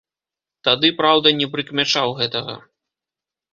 Тады, праўда, не прыкмячаў гэтага.